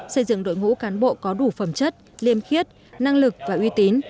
xây dựng đội ngũ cán bộ có đủ phẩm chất liêm khiết năng lực và uy tín